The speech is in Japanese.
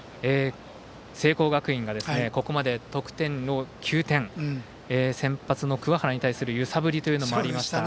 聖光学院がここまで得点を９点先発の桑原に対する揺さぶりというのもありました。